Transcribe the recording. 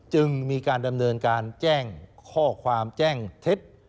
จึงมีการดำเนินการแจ้งข้อความแจ้งเท็จ